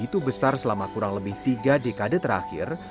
perhatian begitu besar selama kurang lebih tiga dekade terakhir